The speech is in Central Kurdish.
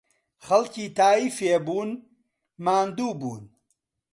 خەڵکی تاییفێ بوون، ماندوو بوون